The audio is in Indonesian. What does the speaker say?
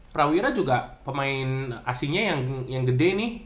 prawira juga pemain asingnya yang gede nih